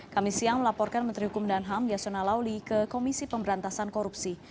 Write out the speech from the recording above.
kami siang melaporkan menteri hukum dan ham yasona lauli ke komisi pemberantasan korupsi